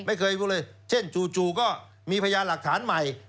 ไม่เคยพูดเลยเช่นจู่ก็มีพยานหลักฐานใหม่